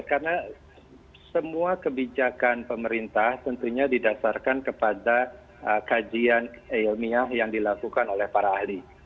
karena semua kebijakan pemerintah tentunya didasarkan kepada kajian ilmiah yang dilakukan oleh para ahli